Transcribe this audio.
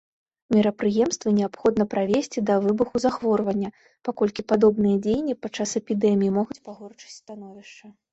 Мерапрыемствы неабходна правесці да выбуху захворвання, паколькі падобныя дзеянні падчас эпідэміі могуць пагоршыць становішча.